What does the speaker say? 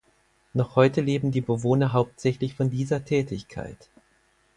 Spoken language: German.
Noch heute leben die Bewohner hauptsächlich von dieser Tätigkeit.